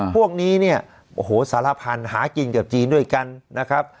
พวกนี้เนี่ยโอ้โหสารพันธุ์หากินกับจีนด้วยกันนะครับ